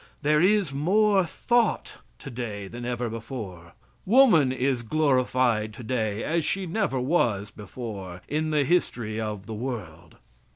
There is more thought today than ever before. Woman is glorified today as she never was before in the history of the world.